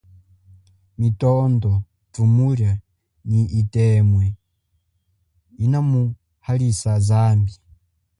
Mitondo, tshumulia, nyi itemwe ina muhalisa zambi.